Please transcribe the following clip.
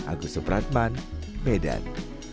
agus soepratman medan